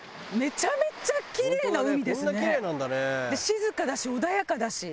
静かだし穏やかだし。